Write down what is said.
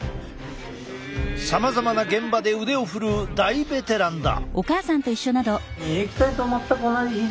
さまざまの現場で腕を振るう大ベテランだ。